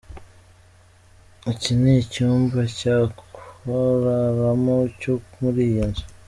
Iki ni icyumba cyo kuraramo cyo muri iyi nzu!.